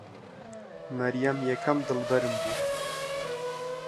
مەریەم یەکەم دڵبەرم بوو.